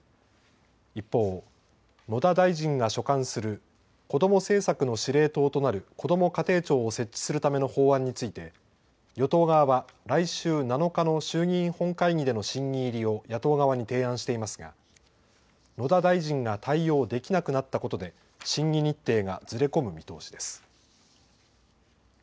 一方、野田大臣が所管する子ども政策の司令塔となるこども家庭庁を設置するための法案について与党側は来週７日の衆議院本会議での審議入りを野党側に提案していますが野田大臣が対応できなくなったことで審議日程がずれ込む見通しです。